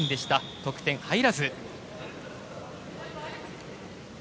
得点入らず。